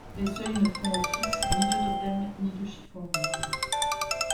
Les seuils ne font office ni de totem ni de chiffon rouge.